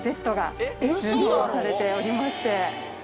されておりまして。